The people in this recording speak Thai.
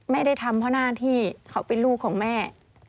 ไม่ได้ทำเพราะหน้าที่เขาเป็นลูกของแม่